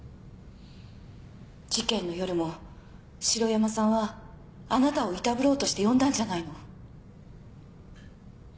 事件の夜も城山さんはあなたをいたぶろうとして呼んだんじゃないの？